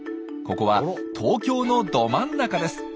ここは東京のど真ん中です。